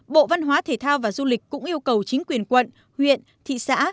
bộ văn hóa thể thao và du lịch cũng yêu cầu chính quyền quận huyện thị xã